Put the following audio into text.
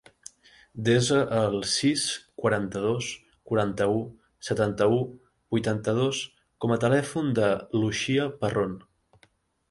Desa el sis, quaranta-dos, quaranta-u, setanta-u, vuitanta-dos com a telèfon de l'Uxia Parron.